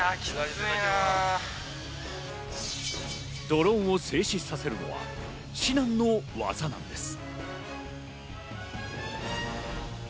ドローンを静止させるのは至難の業なのです。